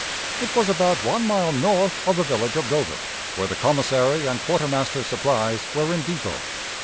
It was about one mile north of the village of Dover, where the commissary and quartermaster's supplies were in depot.